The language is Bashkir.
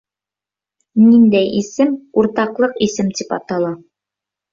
Ниндәй исем уртаҡлыҡ исем тип атала